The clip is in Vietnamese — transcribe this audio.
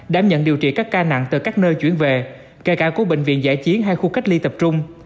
đảm nhận điều trị các ca nặng từ các nơi chuyển về kể cả của bệnh viện giải chiến hay khu cách ly tập trung